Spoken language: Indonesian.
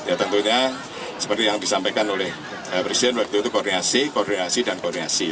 ya tentunya seperti yang disampaikan oleh presiden waktu itu koordinasi koordinasi dan koordinasi